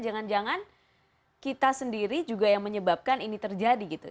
jangan jangan kita sendiri juga yang menyebabkan ini terjadi gitu